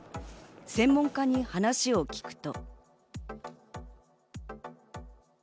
専門家に話を聞くと。